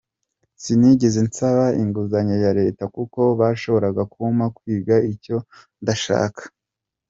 Sinigeze nsaba inguzanyo ya Leta kuko bashobora kumpa kwiga icyo ndashaka.